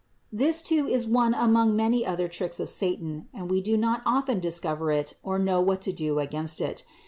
This too is one among many other tricks of satan, and we do not often discover it or know what to do against it.